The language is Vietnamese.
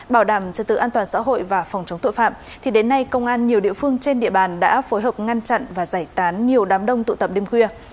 bảo đảm trật tự an toàn xã hội và phòng chống tội phạm thì đến nay công an nhiều địa phương trên địa bàn đã phối hợp ngăn chặn và giải tán nhiều đám đông tụ tập đêm khuya